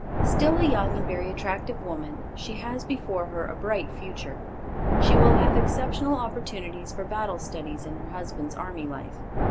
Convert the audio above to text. Still a young and very attractive woman, she has before her a bright future. She will have exceptional opportunities for battle studies in her husband's army life.